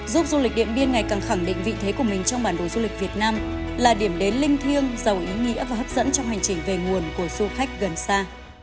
giúp du lịch điện biên ngày càng khẳng định vị thế của mình trong bản đồ du lịch việt nam là điểm đến linh thiêng giàu ý nghĩa và hấp dẫn trong hành trình về nguồn của du khách gần xa